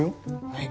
はい。